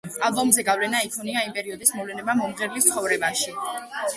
ალბომზე გავლენა იქონია იმ პერიოდის მოვლენებმა მომღერლის ცხოვრებაში.